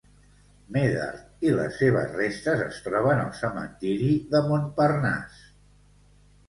Médard i les seves restes es troben al cementiri de Montparnasse.